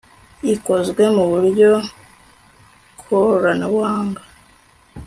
ikozwe mu buryo koranabuhanga